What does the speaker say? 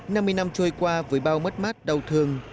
năm mươi năm trôi qua với bao mất mắt đầu thương